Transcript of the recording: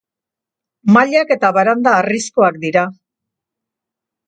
Mailak eta baranda harrizkoak dira.